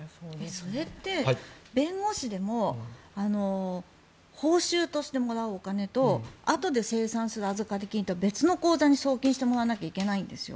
それって、弁護士でも報酬としてもらうお金とあとで精算する預かり金って別の口座に送金してもらわないといけないんですよ。